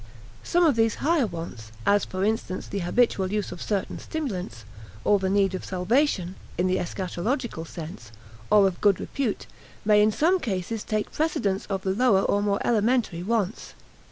Some of these higher wants, as for instance the habitual use of certain stimulants, or the need of salvation (in the eschatological sense), or of good repute, may in some cases take precedence of the lower or more elementary wants.